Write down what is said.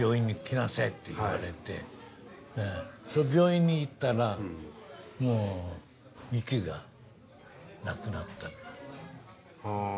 それで病院に行ったらもう息がなくなっていた。